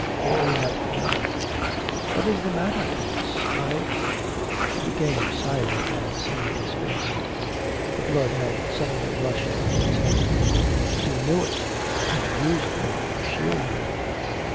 There he met her mother. 'What is the matter, Prince? I...' She became silent on seeing his face. The blood had suddenly rushed to his head. 'You knew it, and used me to shield them!